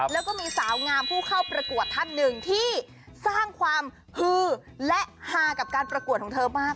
แล้วก็มีสาวงามผู้เข้าประกวดท่านหนึ่งที่สร้างความฮือและฮากับการประกวดของเธอมาก